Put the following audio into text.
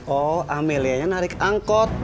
oh amelia nya narik angkot